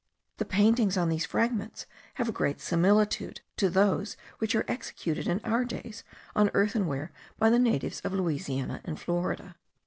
The paintings on these fragments have a great similitude to those which are executed in our days on earthenware by the natives of Louisiana and Florida.